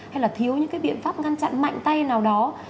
hay là thiếu những cái biện pháp ngăn chặn mạnh tay nào đó